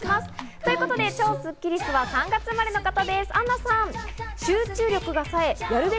ということで超スッキりすは３月生まれの方です、アンナさん。